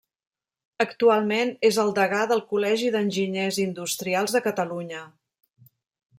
Actualment és el degà del Col·legi d'Enginyers Industrials de Catalunya.